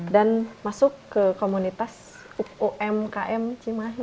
dan masuk ke komunitas umkm cimahi